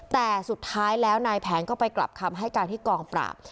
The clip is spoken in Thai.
แต่สุดท้ายแล้วนายแผนก็ไปกลับคำให้การที่กองปราบ